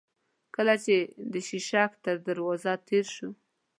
کله چې د شېشک تر دروازه تېر شوو.